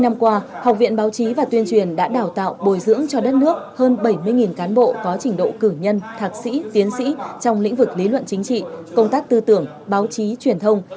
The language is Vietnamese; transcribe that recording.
năm qua học viện báo chí và tuyên truyền đã đào tạo bồi dưỡng cho đất nước hơn bảy mươi cán bộ có trình độ cử nhân thạc sĩ tiến sĩ trong lĩnh vực lý luận chính trị công tác tư tưởng báo chí truyền thông